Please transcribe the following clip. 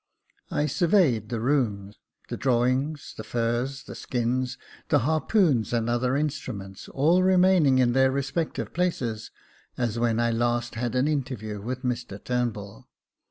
I surveyed the room — the drawings, the furs and skins, the harpoons Jacob Faithful 389 and other instruments, all remaining in their respective places, as when I last had an interview with Mr Turnbull.